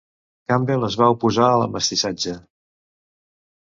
Campbell es va oposar a la mestissatge.